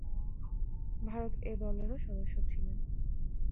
Bharat A দলেরও সদস্য ছিলেন।